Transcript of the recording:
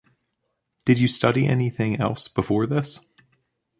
Did you study anything else before this?